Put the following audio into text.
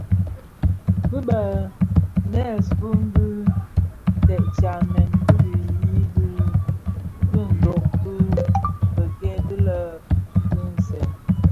Bi bënèsun dhi ted tsamèn ki dhiyi di dhiňdoon di bikei di dhi di nsèň: